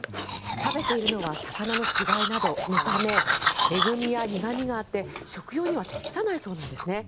食べているのは魚の死骸などのためえぐ味や苦味があって、食用には適さないそうなんですね。